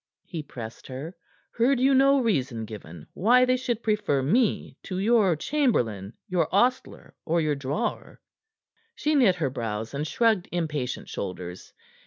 he pressed her. "Heard you no reason given why they should prefer me to your chamberlain, your ostler or your drawer?" She knit her brows and shrugged impatient shoulders.